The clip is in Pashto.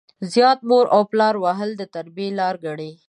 زيات مور او پلار وهل د تربيې لار ګڼي.